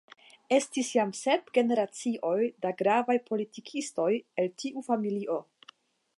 Estis jam sep generacioj da gravaj politikistoj el tiu familio.